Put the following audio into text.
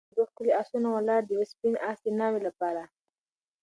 ګورو چې دوه ښکلي آسونه ولاړ دي ، یو سپین آس د ناوې لپاره